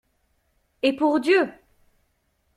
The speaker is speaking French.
Et pour Dieu!